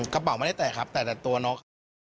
กระเป๋าไม่ได้แตกครับแต่แต่ตัวน้องเขา